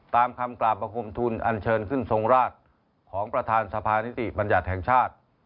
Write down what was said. ตามคำกราบประคมทุนอันเชิญขึ้นทรงราชของประธานสภานิติบัญญัติแห่งชาติ